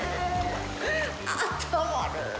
あったまる。